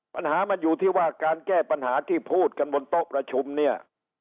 ปัญหามันอยู่ที่ว่าการแก้ปัญหาที่พูดกันบนโต๊ะประชุมเนี่ย